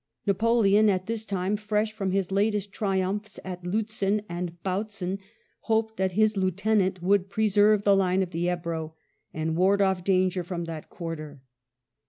Napoleon, at this time fresh from his latest triumphs at Lutzen and Bautzen, hoped that his lieutenant would preserve the line of the Ebro and ward off danger from that quarter.